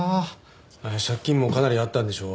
借金もかなりあったんでしょ？